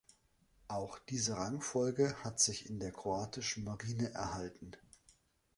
Auch diese Rangfolge hat sich in der kroatischen Marine erhalten.